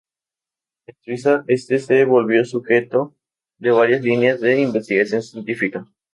En Suiza, este se volvió sujeto de varias líneas de investigación científica.